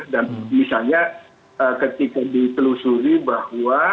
dan misalnya ketika ditelusuri bahwa